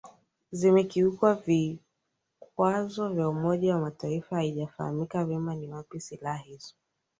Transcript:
zimekiuka vikwazo vya umoja wa mataifa haijafaamika vyema ni wapi silaha hizo